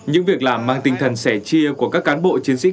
những việc làm mang tinh thần sẻ chia của các cán bộ chiến sĩ